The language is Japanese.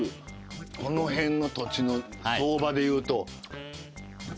この辺の土地の相場でいうと。